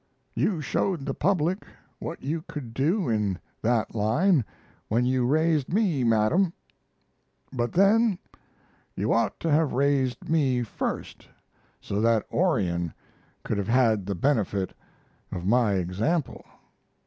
You showed the public what you could do in that line when you raised me, Madam. But then you ought to have raised me first, so that Orion could have had the benefit of my example.